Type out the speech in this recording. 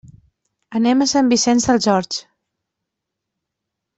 Anem a Sant Vicenç dels Horts.